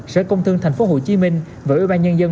sở công thương tp hcm và ủy ban nhân dân